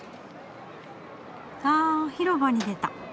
あ広場に出た。